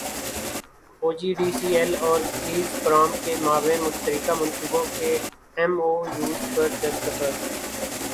او G D C L اور Gazprom کے مابین مشترکہ منصوبوں کے ایم او یوز پر دستخط